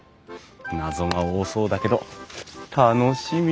謎が多そうだけど楽しみ！